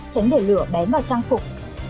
tránh để lửa bén vào trang phục